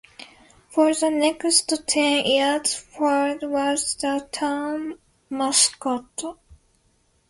For the next ten years, Fred was the town mascot.